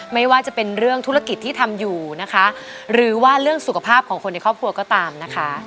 ไม่ว่าจะเป็นเรื่องธุรกิจที่ทำอยู่นะคะหรือว่าเรื่องสุขภาพของคนในครอบครัวก็ตามนะคะ